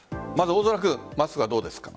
大空君マスクはどうですか？